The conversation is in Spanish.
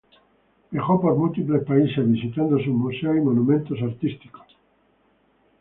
Viajó por múltiples países, visitando sus museos y monumentos artísticos.